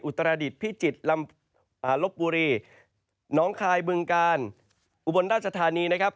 ตรดิษฐ์พิจิตรลำลบบุรีน้องคายบึงกาลอุบลราชธานีนะครับ